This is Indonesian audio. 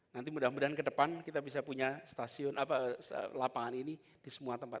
nanti mudah mudahan ke depan kita bisa punya stasiun lapangan ini di semua tempat